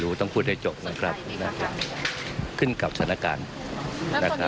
แล้วลงทุกคนมีชื่อขึ้นกับเหตุการณ์สำหรับในเกษตรส่วนตัวเองหรือเปล่า